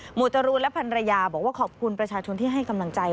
วดจรูนและพันรยาบอกว่าขอบคุณประชาชนที่ให้กำลังใจ